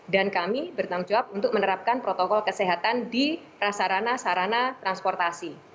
dan kami bertanggung jawab untuk menerapkan protokol kesehatan di sarana sarana transportasi